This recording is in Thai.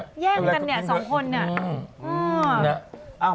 แย่งกันเนี่ยสองคนเนี่ย